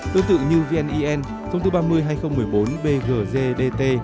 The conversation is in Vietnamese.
tương tự như vnen thông sư ba trăm linh hai nghìn một mươi bốn bgzdt